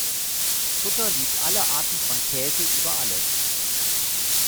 Tutter liebt alle Arten von Käse über alles.